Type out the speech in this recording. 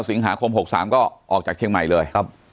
สิงหาคม๖๓ก็ออกจากเชียงใหม่เลย